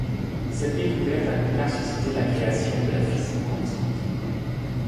Cette découverte a plus tard suscité la création de la physique quantique.